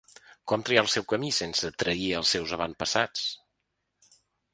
Com triar el seu camí sense trair als seus avantpassats?